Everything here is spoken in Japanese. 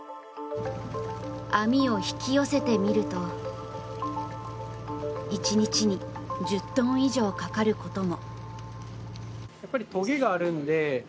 網を引き寄せてみると１日に１０トン以上かかることも。